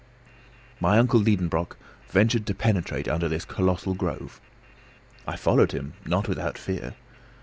My uncle Liedenbrock ventured to penetrate under this colossal grove. I followed him, not without fear.